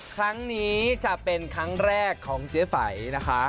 ครั้งนี้จะเป็นครั้งแรกของเจ๊ไฝนะคะ